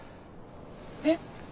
えっ。